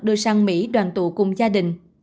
đưa sang mỹ đoàn tụ cùng gia đình